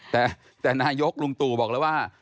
แต่นายกลุงตู่บอกแล้วว่า